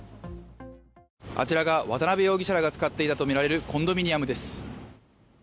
あちらが渡辺容疑者らが使っていたとみられるコンドミニアムです。